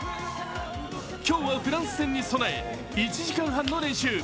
今日はフランス戦に備え１時間半の練習。